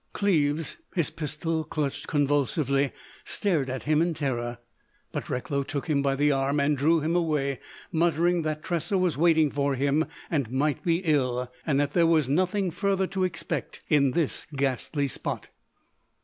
Cleves, his pistol clutched convulsively, stared at him in terror. But Recklow took him by the arm and drew him away, muttering that Tressa was waiting for him, and might be ill, and that there was nothing further to expect in this ghastly spot.